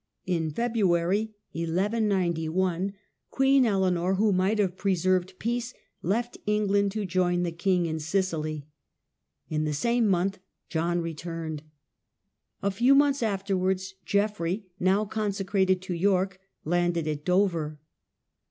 In February, 1 191, Queen Eleanor, who might have preserved peace, left England to join the king in Sicily. In the same. month John returned. A few months afterwiards Geoffrey, now consecrated to York, landed at Dover.